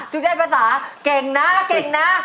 ตอบได้ทุกภาษาเก่งน้าเก่งน้า